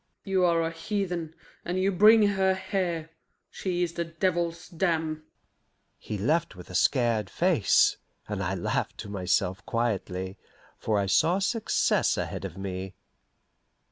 "You are a heathen, and you bring her here. She is the devil's dam." He left with a scared face, and I laughed to myself quietly, for I saw success ahead of me.